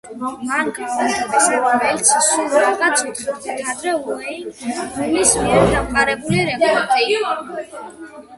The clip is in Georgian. მან გააუმჯობესა რომელიც სულ რაღაც ოთხი დღით ადრე უეინ რუნის მიერ დამყარებული რეკორდი.